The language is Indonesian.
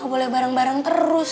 boleh bareng bareng terus